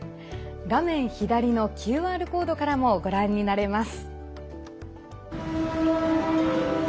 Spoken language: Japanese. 画面左のＱＲコードからもご覧になれます。